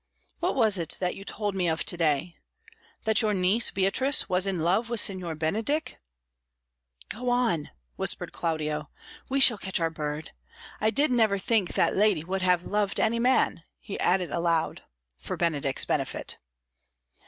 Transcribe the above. "What was it that you told me of to day that your niece Beatrice was in love with Signor Benedick?" "Go on," whispered Claudio. "We shall catch our bird. I did never think that lady would have loved any man," he added aloud, for Benedick's benefit.